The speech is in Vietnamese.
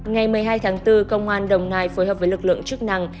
ngày một mươi hai tháng bốn công an đồng nai phối hợp với lực lượng chức năng